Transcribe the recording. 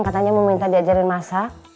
katanya mau minta diajarin masak